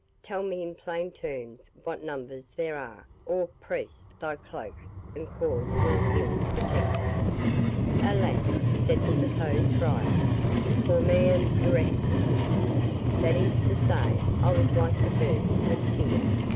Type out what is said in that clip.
"Tell me in plain terms what numbers there are, or, priest, thy cloak and cord will ill protect thee." "Alas!" said the supposed friar, "'cor meum eructavit', that is to say, I was like to burst with fear!